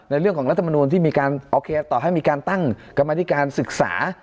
ในเรื่องของรัฐมนุมที่มีการตั้งกรรมนิการศึกษา